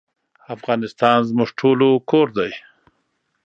افغانستان زموږ ټولو کور دی